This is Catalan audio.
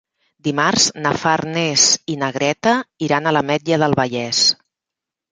Dimarts na Farners i na Greta iran a l'Ametlla del Vallès.